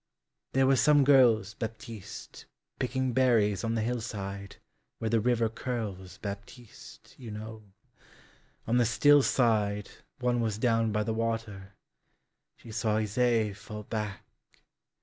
There were some girls, Baptiste, Picking berries on the hillside, Where the river curls, Baptiste, You know,—on the still sideOne was down by the water, She saw IsaéFall back.